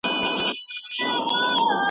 ډنکر هلک په لوړ غږ خلک ډوډۍ ته رابلل.